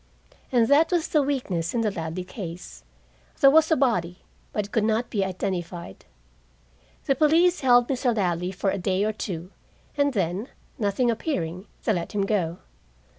And that was the weakness in the Ladley case. There was a body, but it could not be identified. The police held Mr. Ladley for a day or two, and then, nothing appearing, they let him go.